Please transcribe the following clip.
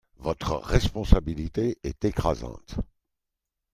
votre responsabilité est écrasante.